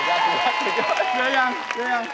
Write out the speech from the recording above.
เยอะยัง